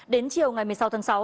đến chiều ngày một mươi sáu tháng sáu